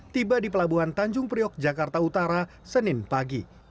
tiba di pelabuhan tanjung priok jakarta utara senin pagi